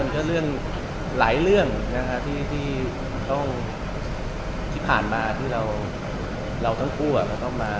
มันก็เรื่องหลายเรื่องที่ผ่านมาที่เราทั้งคู่ก็ต้องมา